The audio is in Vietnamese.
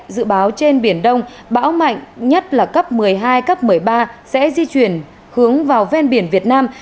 dự báo trên biển đông bão mạnh nhất là cấp một mươi hai cấp một mươi ba sẽ di chuyển hướng vào ven biển việt nam